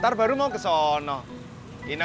r perempuanku sama ya